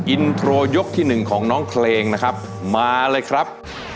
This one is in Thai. อินโทรยกที่หนึ่งของน้องเพลงนะครับมาเลยครับ